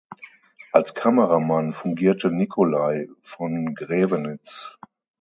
Als Kameramann fungierte Nikolai von Graevenitz.